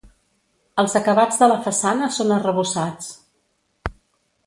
Els acabats de la façana són arrebossats.